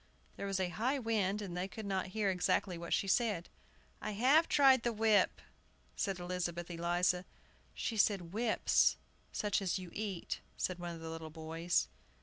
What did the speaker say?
There was a high wind, and they could not hear exactly what she said. "I have tried the whip," said Elizabeth Eliza. "She says 'whips,' such as you eat," said one of the little boys.